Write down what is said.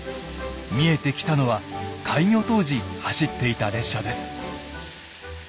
見えてきたのは開業当時走っていた列車です。